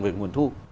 về nguồn thu